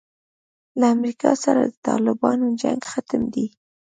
له امریکا سره د طالبانو جنګ ختم دی.